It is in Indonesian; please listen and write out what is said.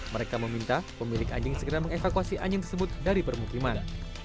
mereka meminta pemilik anjing segera mengevakuasi anjing tersebut dari permukiman